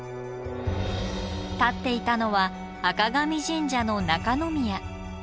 立っていたのは赤神神社の中の宮。